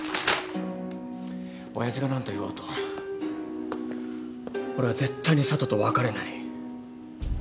親父が何と言おうと俺は絶対に佐都と別れない。